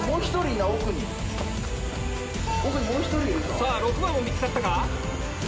さぁ６番も見つかったか。